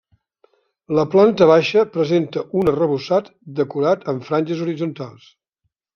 La planta baixa presenta un arrebossat decorat amb franges horitzontals.